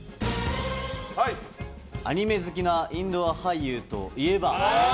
アニメ好きなインドア俳優といえば？